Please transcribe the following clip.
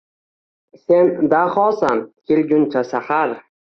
Sen dahosan, kelguncha sahar.